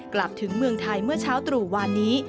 กลับถึงเมืองไทยเมื่อเช้าตรู่วานนี้